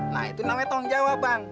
nah itu namanya tanggung jawab bang